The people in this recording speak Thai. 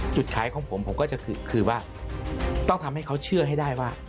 จุดขายของผมผมก็จะคือว่าต้องทำให้เขาเชื่อให้ได้ว่า